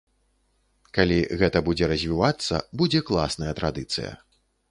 Калі гэта будзе развівацца, будзе класная традыцыя.